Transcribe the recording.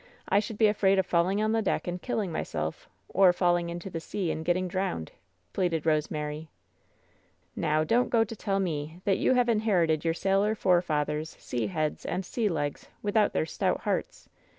I should be afraid of falling on the deck and killing myself, or falling into the sea and get* ting drowned," pleaded Rosemary. "Now, don^t go to tell me that you have inherited your sailor forefathers' sea heads and sea legs without their stout hearts!